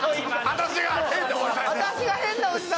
私が変なおじさんです！